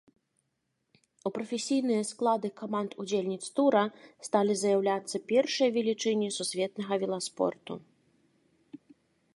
У прафесійныя склады каманд-удзельніц тура сталі заяўляцца першыя велічыні сусветнага веласпорту.